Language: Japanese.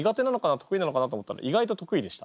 得意なのかな？と思ったら意外と得意でした。